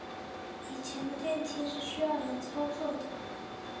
以前的电梯是需要人操作的。